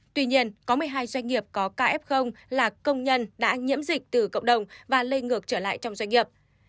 tuy nhiên có một mươi hai doanh nghiệp có kf là công nhân đã nhiễm dịch từ cộng đồng và lây ngược trở lại trong doanh nghiệp